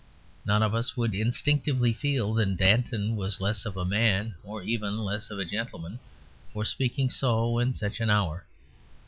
None of us would instinctively feel that Danton was less of a man or even less of a gentleman, for speaking so in such an hour.